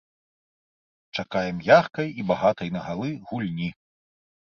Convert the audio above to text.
Чакаем яркай і багатай на галы гульні.